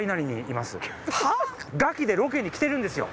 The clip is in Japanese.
『ガキ』でロケに来てるんですよ。